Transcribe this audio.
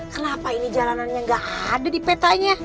kenapa ini jalanannya gak ada di petanya